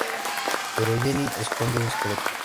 Pero Jennie esconde un secreto.